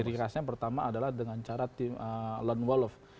ciri khasnya pertama adalah dengan cara tim lon wolof